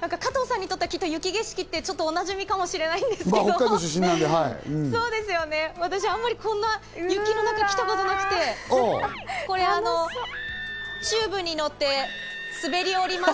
加藤さんにとっては雪景色っておなじみかもしれないですけど、私、あんまりこんな雪の中に来たことがなくて、これ、チューブに乗って滑り降ります。